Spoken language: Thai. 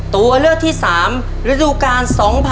ตัวเลือกที่๓ฤดูกาล๒๕๖๒